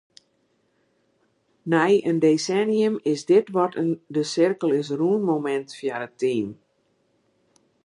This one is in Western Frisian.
Nei in desennium is dit wat in ‘de-sirkel-is-rûnmomint’ foar it team.